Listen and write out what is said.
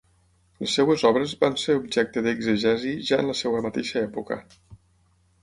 Les seues obres van ser objecte d'exegesi ja en la seua mateixa època.